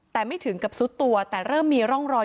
แต่ไม่ถึงกับซุดตัวแต่เริ่มมีร่องรอย